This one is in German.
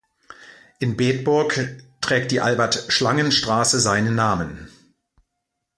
In Bedburg trägt die Albert-Schlangen-Straße seinen Namen.